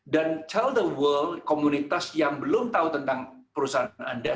dan tell the world komunitas yang belum tahu tentang perusahaan anda